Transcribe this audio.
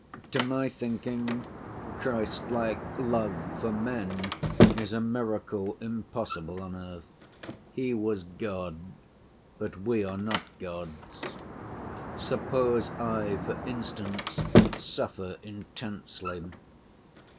To my thinking, Christ‐like love for men is a miracle impossible on earth. He was God. But we are not gods. Suppose I, for instance, suffer intensely.